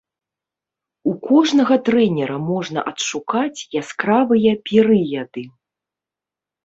У кожнага трэнера можна адшукаць яскравыя перыяды.